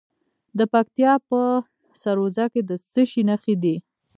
د پکتیکا په سروضه کې د څه شي نښې دي؟